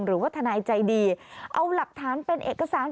หรือว่าทนายใจดีเอาหลักฐานเป็นเอกสาร